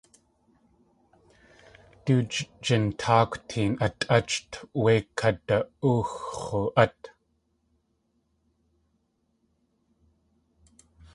Du jintáak teen atʼácht wé kadu.uxx̲u át.